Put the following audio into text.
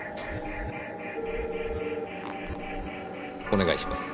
お願いします。